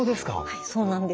はいそうなんです。